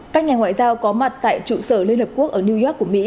các nhà ngoại giao có mặt tại trụ sở liên hợp quốc ở new york của mỹ